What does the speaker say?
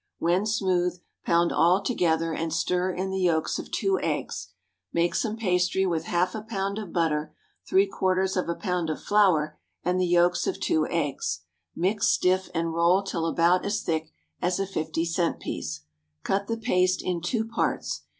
When smooth, pound all together, and stir in the yolks of two eggs. Make some pastry with half a pound of butter, three quarters of a pound of flour, and the yolks of two eggs; mix stiff, and roll till about as thick as a fifty cent piece. Cut the paste in two parts.